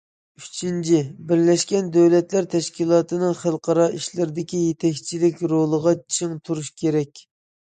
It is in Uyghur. ئۈچىنچى، بىرلەشكەن دۆلەتلەر تەشكىلاتىنىڭ خەلقئارا ئىشلاردىكى يېتەكچىلىك رولىدا چىڭ تۇرۇش كېرەك.